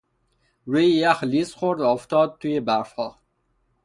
روی یخ لیز خورد و افتاد توی برفها.